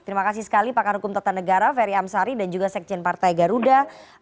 terima kasih sekali pakar hukum tata negara ferry amsari dan juga sekjen partai garuda